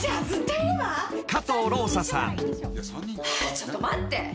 ちょっと待って！